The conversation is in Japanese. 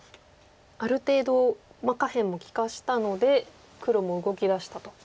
ある程度下辺も利かしたので黒も動き出したと。